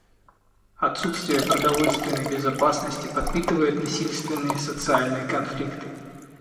Отсутствие продовольственной безопасности подпитывает насильственные социальные конфликты.